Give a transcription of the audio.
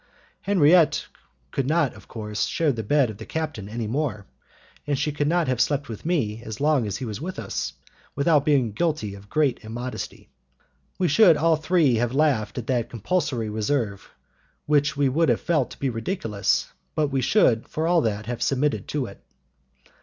Henriette could not, of course, share the bed of the captain any more, and she could not have slept with me as long as he was with us, without being guilty of great immodesty. We should all three have laughed at that compulsory reserve which we would have felt to be ridiculous, but we should, for all that, have submitted to it.